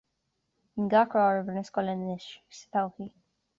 Guím gach rath ar obair na scoile anois agus sa todhchaí.